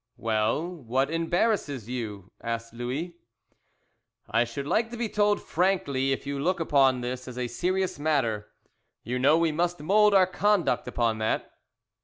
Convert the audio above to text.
"Well, what embarrasses you?" asked Louis. "I should like to be told frankly if you look upon this as a serious matter. You know we must mould our conduct upon that."